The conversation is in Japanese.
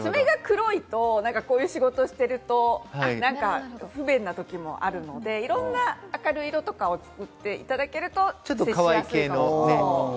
ちょっと爪が黒いと、こういう仕事をしていると、何か不便な時もあるので、明るい色とかを作っていただけると、接しやすいかなと。